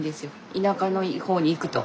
田舎の方に行くと。